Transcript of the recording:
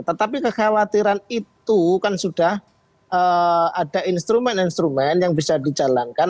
tetapi kekhawatiran itu kan sudah ada instrumen instrumen yang bisa dijalankan